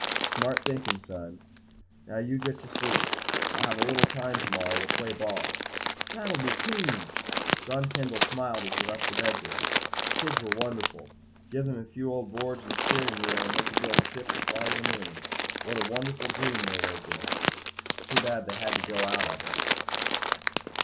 "Smart thinking, son. Now you get to sleep. I'll have a little time tomorrow. We'll play some ball." "That will be keen!" John Kendall smiled as he left the bedroom. Kids were wonderful! Give them a few old boards and a steering wheel and they could build a ship to fly to the moon. What a wonderful dream world they lived in! Too bad they had to grow out of it.